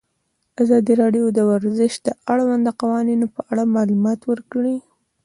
ازادي راډیو د ورزش د اړونده قوانینو په اړه معلومات ورکړي.